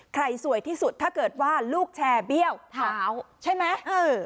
สวยที่สุดถ้าเกิดว่าลูกแชร์เบี้ยวเท้าใช่ไหม